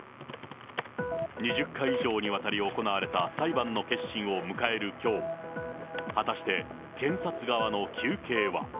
２０回以上にわたり行われた裁判の結審を迎えるきょう、果たして、検察側の求刑は。